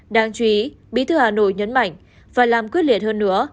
đáng chú ý bí thư hà nội nhấn mạnh phải làm quyết liệt hơn nữa